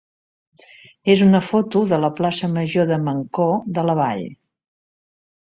és una foto de la plaça major de Mancor de la Vall.